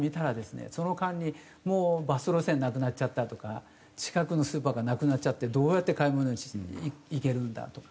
その間にもうバス路線なくなっちゃったとか近くのスーパーがなくなっちゃってどうやって買い物に行けるんだとか。